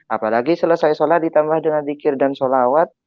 apalagi selesai sholat ditambah dengan zikir dan sholawat